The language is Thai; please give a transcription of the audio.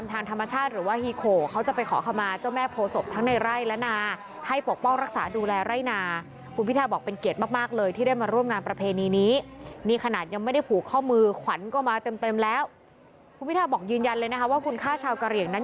ทางธรรมชาติหรือว่าฮีโขเขาจะไปขอเข้ามาเจ้าแม่โพศพทั้งในไร่และนาให้ปกป้องรักษาดูแลไร่นาคุณพิธาบอกเป็นเกียรติมากเลยที่ได้มาร่วมงานประเพณีนี้นี่ขนาดยังไม่ได้ผูกเข้ามือขวัญก็มาเต็มแล้วคุณพิธาบอกยืนยัน